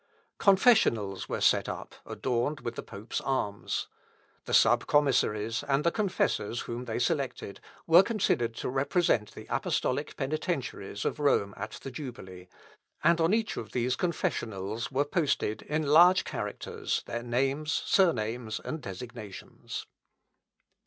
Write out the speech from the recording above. Confessionals were set up adorned with the pope's arms. The sub commissaries, and the confessors whom they selected, were considered to represent the apostolical penitentiaries of Rome at the jubilee, and on each of these confessionals were posted, in large characters, their names, surnames, and designations.